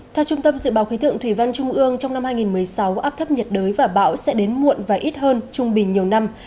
theo trung tâm dự báo khí tượng thủy văn trung ương trong năm hai nghìn một mươi sáu áp thấp nhiệt đới và bão sẽ đến muộn và ít hơn trung bình nhiều năm